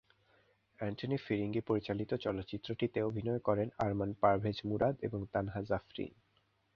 Antony Firingee পরিচালিত চলচ্চিত্রটিতে অভিনয় করেন আরমান পারভেজ মুরাদ এবং তানহা জাফরিন।